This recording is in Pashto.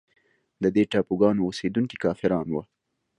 د دې ټاپوګانو اوسېدونکي کافران وه.